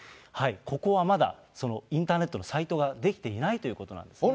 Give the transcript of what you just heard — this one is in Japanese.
ここはまだインターネットのサイトが出来ていないということなんですね。